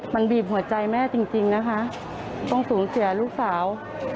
มันบีบหัวใจแม่จริงนะคะต้องสูญเสียลูกสาว